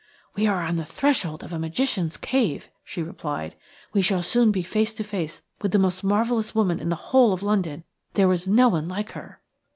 "We are on the threshold of a magician's cave," she replied. "We shall soon be face to face with the most marvellous woman in the whole of London. There is no one like her."